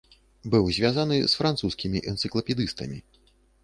Быў звязаны з французскімі энцыклапедыстамі.